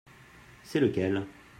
C'est lequel ?